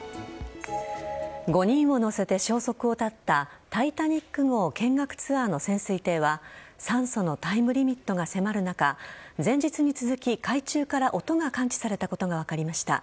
５人を乗せて消息を絶った「タイタニック」号見学ツアーの潜水艇は酸素のタイムリミットが迫る中前日に続き海中から音が感知されたことが分かりました。